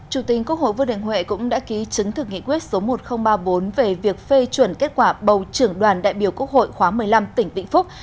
chủ tịch quốc hội vương đình huệ cũng đã ký chứng thực nghị quyết số một nghìn ba mươi bốn về việc phê chuẩn kết quả bầu trưởng đoàn đại biểu quốc hội khóa một mươi năm tỉnh vĩnh phúc